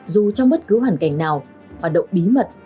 dù trong bất cứ hoàn cảnh nào hoạt động bí mật